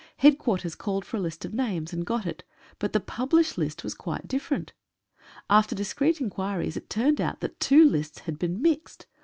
Headquarters called for a list of names and got it — but the published list was quite different. After discreet inquiries it turned out that two lists had been mixed.